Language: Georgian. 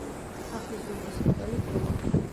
სახლის ზურგის კედელი ყრუა.